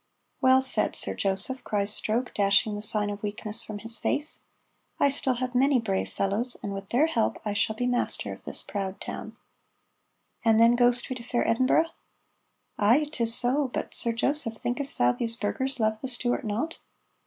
"Well said, Sir Joseph," cries Stroke, dashing the sign of weakness from his face. "I still have many brave fellows, and with their help I shall be master of this proud town." "And then ghost we to fair Edinburgh?" "Ay, 'tis so, but, Sir Joseph, thinkest thou these burghers love the Stuart not?"